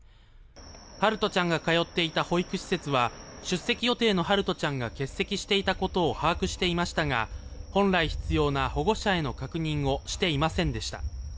陽翔ちゃんが通っていた保育施設は出席予定の陽翔ちゃんが欠席していたことを把握していましたが本来必要な保護者への確認をしていませんでした。